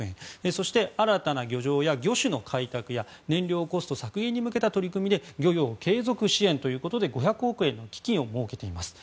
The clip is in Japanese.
そして新たな漁場や魚種の開拓や燃料コスト削減に向けた取り組みで漁業継続支援ということで５００億円の基金を設けています。